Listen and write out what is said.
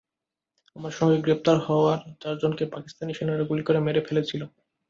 আমার সঙ্গে গ্রেপ্তার হওয়ার চারজনকে পাকিস্তানি সেনারা গুলি করে মেরে ফেলেছিল।